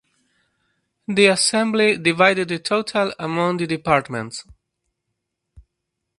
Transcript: The assembly divided the total among the departments.